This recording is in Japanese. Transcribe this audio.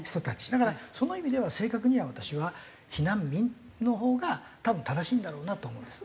だからその意味では正確には私は「避難民」のほうが多分正しいんだろうなと思うんです。